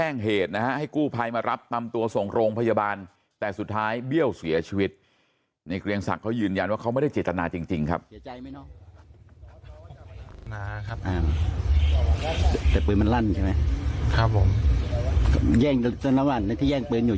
นาครับอ้าวแต่ปืนมันลั่นใช่ไหมครับผมแย่งนี่ที่แย่งปืนอยู่